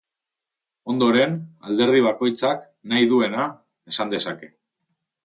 Ondoren, alderdi bakoitzak nahi duena esan dezake.